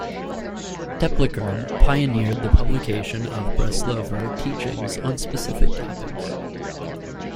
Tepliker pioneered the publication of Breslover teachings on specific topics.